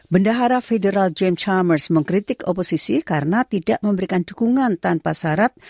bendahara federal james thamers mengkritik oposisi karena tidak memberikan dukungan tanpa syarat